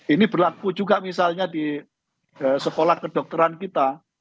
ini berlaku juga misalnya di sekolah kedokteran kita